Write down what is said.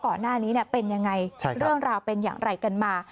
ก่อนหน้านี้เป็นยังไงเรื่องราวเป็นอย่างไรกันมา